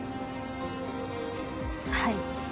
はい。